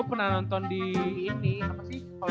aku pernah nonton di ini apa sih